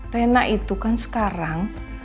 rena itu kan sekarang